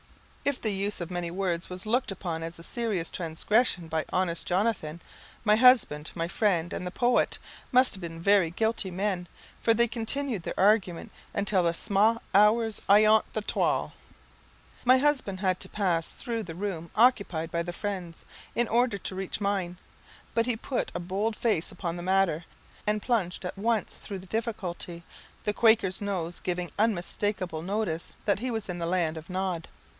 If the use of many words was looked upon as a serious transgression by honest Jonathan, my husband, my friend, and the poet, must have been very guilty men, for they continued their argument until the "sma' hours ayont the twal." My husband had to pass through the room occupied by the Friends, in order to reach mine, but he put a bold face upon the matter, and plunged at once through the difficulty, the Quaker's nose giving unmistakeable notice that he was in the land of Nod.